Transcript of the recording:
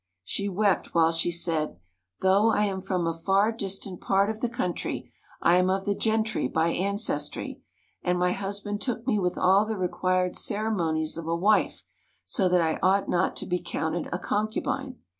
She wept while she said, "Though I am from a far distant part of the country I am of the gentry by ancestry, and my husband took me with all the required ceremonies of a wife, so that I ought not to be counted a concubine.